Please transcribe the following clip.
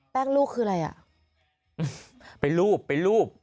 แป้งลูกคือไรอะ